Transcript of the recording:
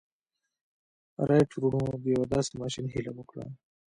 رایټ وروڼو د یوه داسې ماشين هیله وکړه